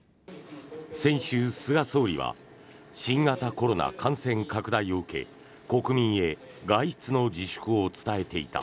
先週、菅総理は新型コロナ感染拡大を受け国民へ外出の自粛を伝えていた。